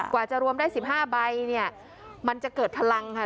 กว่าจะรวมได้๑๕ใบเนี่ยมันจะเกิดพลังค่ะ